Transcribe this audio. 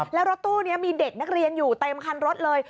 แล้วรถตู้นี้มีเด็กนักเรียนอยู่เต็มคันรถเลย